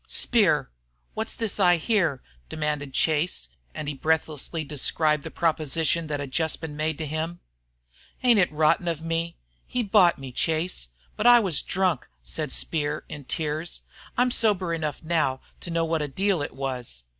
"Speer! What's this I hear?" demanded Chase, and he breathlessly described the proposition that had just been made him. "Ain't it rotten of me? He bought me, Chase. But I was drunk," said Speer, in tears. "I'm sober enough now to know what a deal it was."